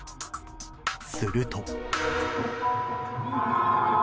すると。